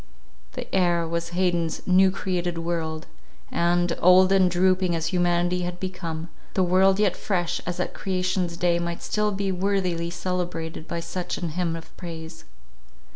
The air was Haydn's "New Created World," and, old and drooping as humanity had become, the world yet fresh as at creation's day, might still be worthily celebrated by such an hymn of praise.